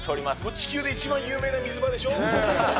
地球で一番有名な水場でしょう？